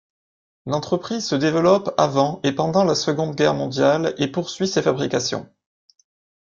L'entreprise se développe avant et pendant la Seconde Guerre mondiale et poursuit ses fabrications.